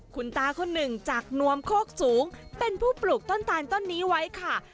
คุณตาคนหนึ่งจากนวมโคกสูงเป็นผู้ปลูกต้นตาลต้นนี้ไว้ค่ะ